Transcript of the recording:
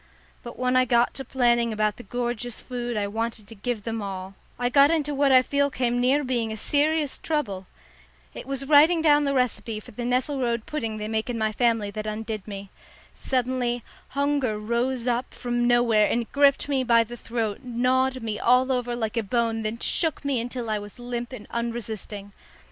But when I got to planning about the gorgeous food I wanted to give them all, I got into what I feel came near being a serious trouble. It was writing down the recipe for the nesselrode pudding they make in my family that undid me. Suddenly hunger rose up from nowhere and gripped me by the throat, gnawed me all over like a bone, then shook me until I was limp and unresisting.